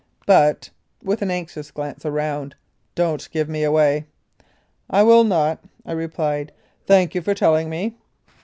But (with an anxious glance around) don't give me away." "I will not," I replied; "thank you for telling me."